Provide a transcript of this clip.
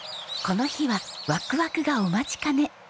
この日はわくわくがお待ちかね。